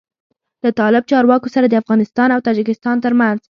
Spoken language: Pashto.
له طالب چارواکو سره د افغانستان او تاجکستان تر منځ